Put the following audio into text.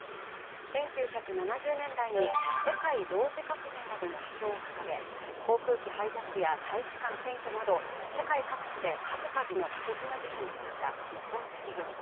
１９７０年代に世界同時革命などの主張を掲げ、航空機ハイジャックや大使館占拠など世界各地で数々の過激な事件を起こした日本赤軍。